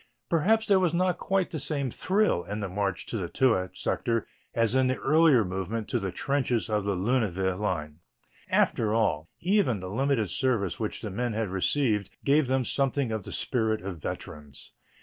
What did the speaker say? Perhaps there was not quite the same thrill in the march to the Toul sector as in the earlier movement to the trenches of the Lunéville line. After all, even the limited service which the men had received gave them something of the spirit of veterans.